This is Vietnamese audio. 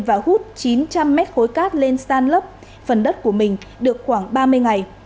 và hút chín trăm linh mét khối cát lên san lấp phần đất của mình được khoảng ba mươi ngày